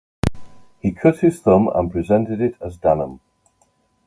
He cut his thumb and presented it as dhanam.